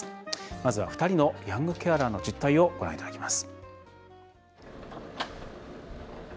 まずは、２人のヤングケアラーの実態をご覧いただきます。